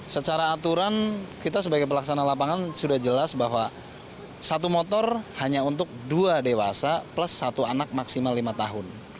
secara aturan kita sebagai pelaksana lapangan sudah jelas bahwa satu motor hanya untuk dua dewasa plus satu anak maksimal lima tahun